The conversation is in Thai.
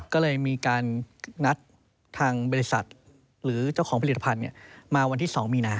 ก็เลยมีการนัดทางบริษัทหรือเจ้าของผลิตภัณฑ์มาวันที่๒มีนา